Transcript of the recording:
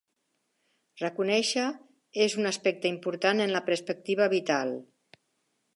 Reconèixer és un aspecte important en la perspectiva vital.